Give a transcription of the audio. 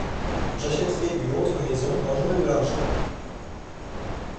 J’achèterai une autre maison quand j’aurai de l’argent.